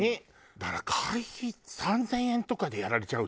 だから会費３０００円とかでやられちゃうと。